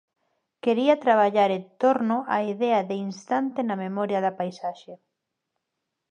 Quería traballar en torno á idea de instante na memoria da paisaxe.